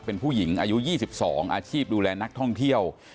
เป็นผู้หญิงอายุ๒๒อาชีพดูแลนักท่องเที่ยว